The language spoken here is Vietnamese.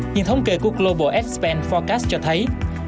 nhưng thống kê của global ad spend forecast cho thấy